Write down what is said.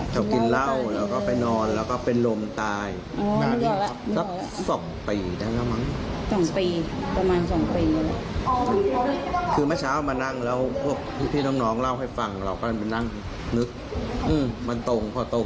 ในกลุ่มนั้นที่ตายใช่ไหมเออผิววะคิดว่าแล้วเขากินเผล่า